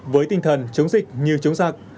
với tinh thần chống dịch như chống giặc